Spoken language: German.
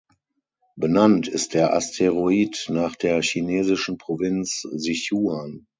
Benannt ist der Asteroid nach der chinesischen Provinz Sichuan.